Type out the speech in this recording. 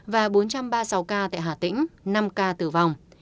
và bốn trăm ba mươi sáu k tại hà tĩnh năm k tử vong